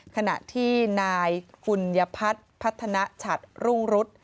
ขณะที่นายกุญยพัฒน์พัฒนาฉัดรุ่งรุษ